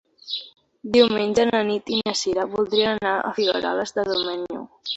Diumenge na Nit i na Cira voldrien anar a Figueroles de Domenyo.